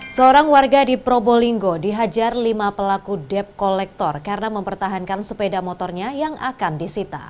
seorang warga di probolinggo dihajar lima pelaku dep kolektor karena mempertahankan sepeda motornya yang akan disita